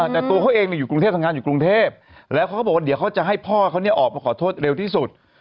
แต่ตัวเขาเองอยู่กรุงเทพทำงานอยู่กรุงเทพแล้วเขาก็บอกว่าเดี๋ยวเขาจะให้พ่อเขาออกมาขอโทษเร็วที่สุด